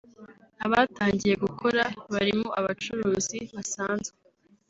abatangiye gukora barimo abacuruzi basanzwe